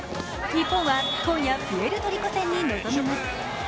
日本は今夜、プエルトリコ戦に臨みます。